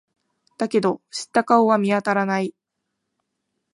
だけど、知った顔は見当たらない。